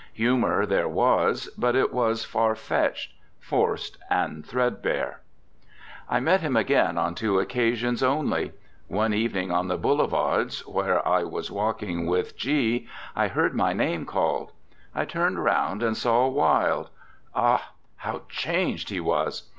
Humour there was, but it was far fetched, forced, and threadbare. I met him again on two occasions only. One evening on the Boulevards, where I was walking with G , I heard my name called. I turned round and saw Wilde. Ah! how changed he was.